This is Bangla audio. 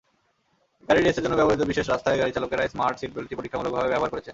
গাড়ির রেসের জন্য ব্যবহৃত বিশেষ রাস্তায় গাড়িচালকেরা স্মার্ট সিটবেল্টটি পরীক্ষামূলকভাবে ব্যবহার করেছেন।